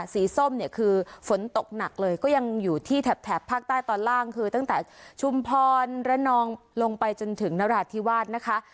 ส้มเนี่ยคือฝนตกหนักเลยก็ยังอยู่ที่แถบภาคใต้ตอนล่างคือตั้งแต่ชุมพรระนองลงไปจนถึงนราธิวาสนะคะ